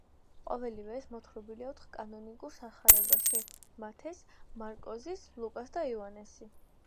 ყოველივე ეს მოთხრობილია ოთხ კანონიკურ სახარებაში: მათეს, მარკოზის, ლუკას და იოანესი.